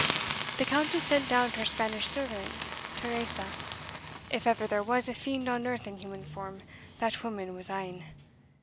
The Countess sent down her Spanish servant Teresa if ever there was a fiend on earth in human form, that woman was ane.